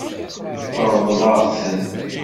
Ṛḍel-aɣ-ten.